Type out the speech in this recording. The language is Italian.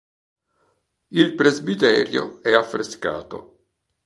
Il presbiterio è affrescato.